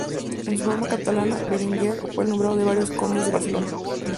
En su forma catalana, Berenguer, fue el nombre de varios condes de Barcelona.